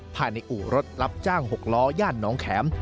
อู่รถรับจ้าง๖ล้อย่านน้องแข็ม